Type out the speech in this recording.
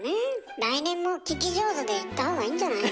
来年も聞き上手でいった方がいいんじゃないの？